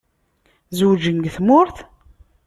Zewǧen deg tmurt?